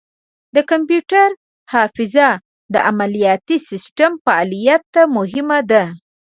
د کمپیوټر حافظه د عملیاتي سیسټم فعالیت ته مهمه ده.